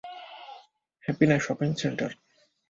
হ্যাপিনা shopping centre.